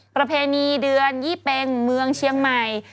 ประเพณีเดือนยี่เป็งเมืองเชียงใหม่